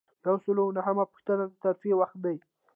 یو سل او نهمه پوښتنه د ترفیع وخت دی.